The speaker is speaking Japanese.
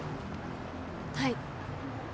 はい。